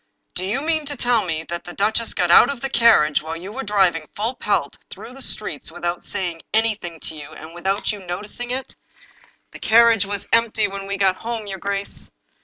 " Do you mean to tell me that the duchess got out of the carriage while you were driving full pelt through the streets without saying anything to you, and without you notic ing it?" "The carriage was empty when we got home, your grace."